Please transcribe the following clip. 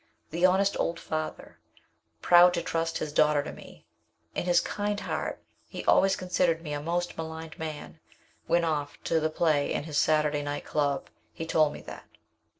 "The honest old father, proud to trust his daughter to me, in his kind heart he always considered me a most maligned man, went off to the play and his Saturday night club. He told me that.